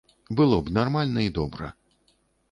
Было б нармальна і добра.